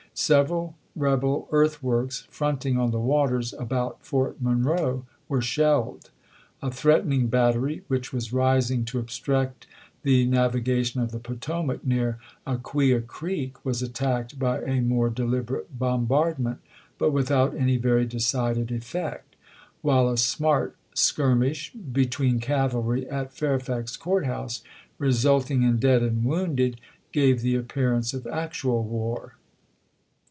Several rebel earth works fronting on the waters about Fort Monroe were shelled; a threatening battery which was rising to obstruct the navigation of the Potomac near Aquia Creek was attacked by a more deliberate bombardment, but without any very decided effect; while a smart skirmish be tween cavalry at Fairfax Court House, resulting in dead and wounded, gave the appearance of actual war.